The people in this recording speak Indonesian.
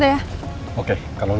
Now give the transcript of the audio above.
di seluruh dunia